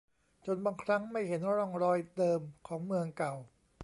จนบางครั้งไม่เห็นร่องรอยเดิมของเมืองเก่า